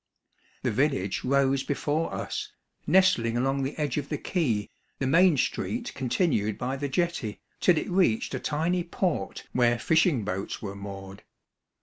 The village rose before us, nestling along the edge of the quay, the main street continued by the jetty, till it reached a tiny port where fishing boats were moored.